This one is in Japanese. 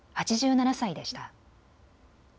８７歳でした。